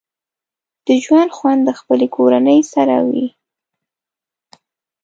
د ژوند خوند د خپلې کورنۍ سره وي